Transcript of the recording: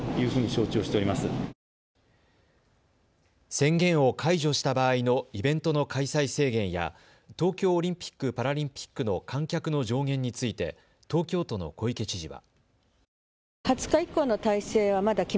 宣言を解除した場合のイベントの開催制限や東京オリンピック・パラリンピックの観客の上限について東京都の小池知事は。